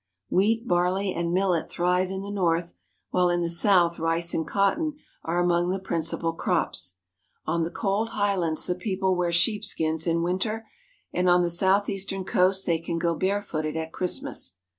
Wheat, barley, and millet thrive in the north, while in the south rice and cotton are among the principal crops. On the cold highlands the people wear sheepskins in winter, and on the southeastern coast they can go barefooted at Christmas.